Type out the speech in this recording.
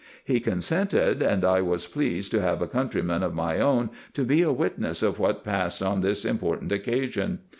He consented, and I was pleased to have a countryman of my own to be a wit ness of what passed on this important occasion.